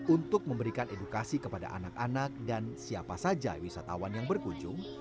untuk memberikan edukasi kepada anak anak dan siapa saja wisatawan yang berkunjung